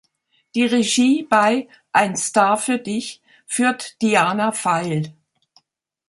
Die Regie bei „Ein Star für dich“ führt Diana Feil.